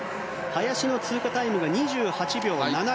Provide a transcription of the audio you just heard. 林の通過タイムは２８秒７７。